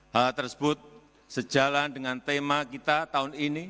hal tersebut sejalan dengan tema kita tahun ini